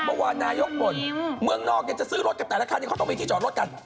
เมื่อวานนายกบ่นเมืองนอกจะซื้อรถกับแต่ละคันนี้เขาต้องมีที่จอดรถกัน